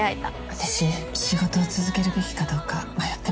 私仕事を続けるべきかどうか迷ってます。